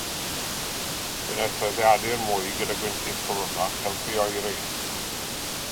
Fe wnaeth rheiddiadur mwy gyda gwyntyll cyflymach helpu i oeri.